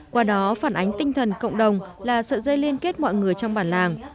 qua đó phản ánh tinh thần cộng đồng là sợi dây liên kết mọi người trong bản làng